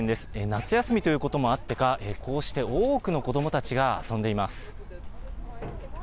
夏休みということもあってか、こうして多くの子どもたちが遊んでいます。